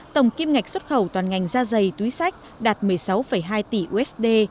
tổng kim ngạch xuất khẩu toàn ngành da dày túi sách đạt một mươi sáu hai tỷ usd